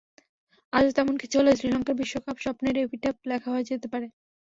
আজও তেমন কিছু হলে শ্রীলঙ্কার বিশ্বকাপ-স্বপ্নের এপিটাফ লেখা হয়ে যেতে পারে।